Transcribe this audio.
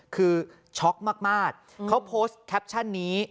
คือช็อกมากเขาโพสต์แคปชั่นนี้